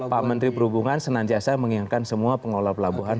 pak menteri perhubungan senantiasa mengingatkan semua pengelola pelabuhan